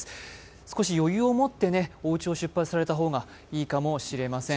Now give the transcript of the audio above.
少し余裕をもっておうちを出発された方がいいかもしれません。